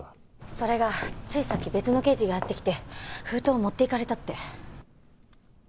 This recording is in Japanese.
それがついさっき別の刑事がやって来て封筒を持っていかれたって。